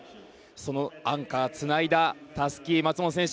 アンカーつないだたすき松元選手